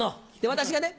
私がね